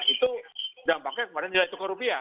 itu dampaknya kepada nilai tukar rupiah